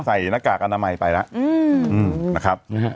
หน้ากากอนามัยไปแล้วนะครับ